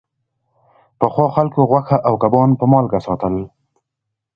پخوا خلکو غوښه او کبان په مالګه ساتل.